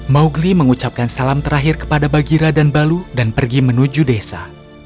mowgli mengucapkan salam terakhir kepada bagira dan balu dan pergi menuju desa